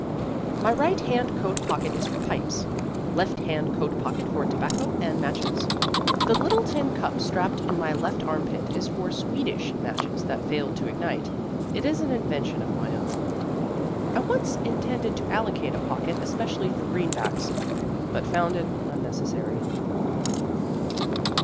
My right hand coat pocket is for pipes. Left hand coat pocket for tobacco and matches. The little tin cup strapped in my left armpit is for Swedish matches that failed to ignite. It is an invention of my own. I once intended to allocate a pocket especially for greenbacks, but found it unnecessary.